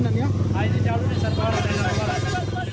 ini jalurnya satu arah